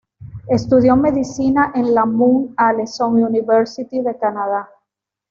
Estudió medicina en la Mount Allison University de Canadá.